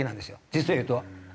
実を言うと。